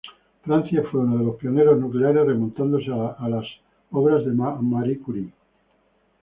Francia fue uno de los pioneros nucleares remontándose a las obras de Marie Curie.